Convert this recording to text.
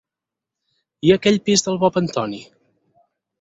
I aquell pis del Bob Antoni?